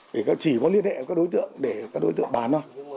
để chỉ có liên hệ với các đối tượng để các đối tượng bán thôi